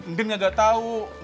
ndin nggak tahu